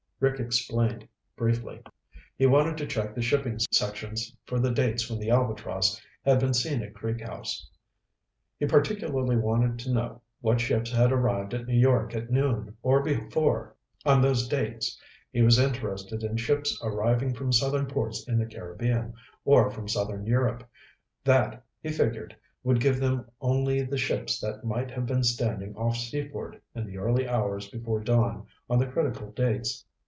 Rick explained briefly. He wanted to check the shipping sections for the dates when the Albatross had been seen at Creek House. He particularly wanted to know what ships had arrived at New York at noon or before on those dates. He was interested in ships arriving from southern ports in the Caribbean, or from southern Europe. That, he figured, would give them only the ships that might have been standing off Seaford in the early hours before dawn on the critical dates.